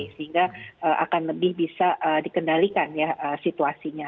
sehingga akan lebih bisa dikendalikan ya situasinya